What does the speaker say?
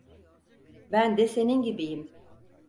Ben de senin gibiyim.